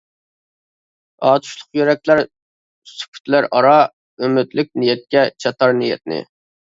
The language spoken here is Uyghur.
ئاتۇشلۇق يۈرەكلەر سۈكۈتلەر ئارا، ئۈمىدلىك نىيەتكە چاتار نىيەتنى.